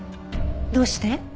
どうして？